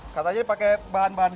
katanya dia pakai bahan bahan juta